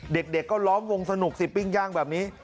เด็กก็ล้อมวงสนุกสิปิ้งย่างแบบนี้